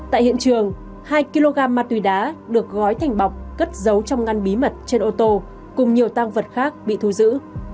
tại hiện trường hai kg ma túy đá được gói thành bọc cất giấu trong ngăn bí mật trên ô tô cùng nhiều tăng vật khác bị thu giữ